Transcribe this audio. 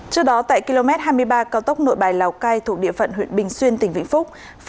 trước đó tại km hai mươi ba cao tốc nội bài lào cai thuộc địa phận huyện bình xuyên tỉnh vĩnh phúc